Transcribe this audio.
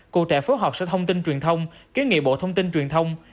cụ trẻ phối hợp sở thông tin truyền thông kiến nghị bộ thông tin truyền thông